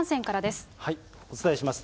お伝えします。